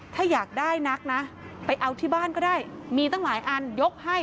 ถ้าอยากได้นักนะไปเอาที่บ้านก็ได้มีตั้งหลายอันยกให้